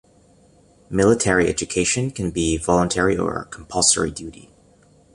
Military education can be voluntary or compulsory duty.